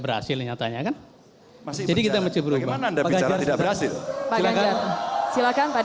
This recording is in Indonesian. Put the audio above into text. berhasil nyatanya kan masih kita mencoba bagaimana anda bicara tidak berhasil silakan silakan pak